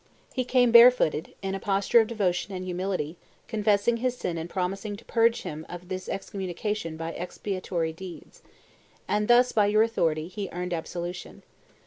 He came barefooted, in a posture of devotion and humility, confessing his sin and promising to purge him of his excommunication by expiatory deeds. And thus, by your authority, he earned absolution.